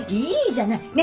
いいじゃない。